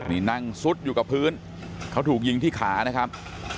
นี่นั่งซุดอยู่กับพื้นเขาถูกยิงที่ขานะครับ